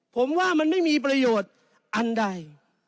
ผมว่ามันไม่มีประโยชน์อันใด